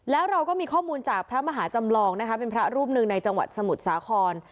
แล้วเราก็มีข้อมูลจากพระมหาจำลองนะคะเป็นพระรูปหนึ่งในจังหวัดสมุทรสาคร